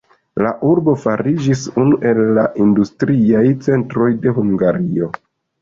La urbo fariĝis unu el la industriaj centroj de Hungario.